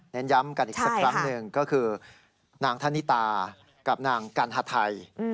ย้ำกันอีกสักครั้งหนึ่งก็คือนางธนิตากับนางกัณฑไทย